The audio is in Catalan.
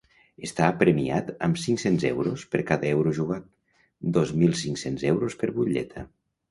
Està premiat amb cinc-cents euros per cada euro jugat, dos mil cinc-cents euros per butlleta.